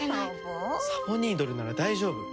サボニードルなら大丈夫。